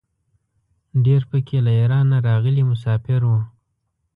ډېر په کې له ایران نه راغلي مساپر وو.